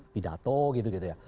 pidato gitu ya